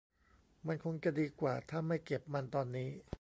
มันคงจะดีกว่าถ้าไม่เก็บมันตอนนี้